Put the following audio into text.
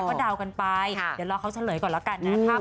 ก็เดากันไปเดี๋ยวรอเขาเฉลยก่อนแล้วกันนะครับ